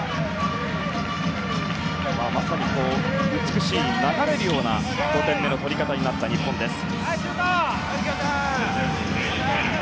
まさに美しい流れるような５点目の取り方になった日本です。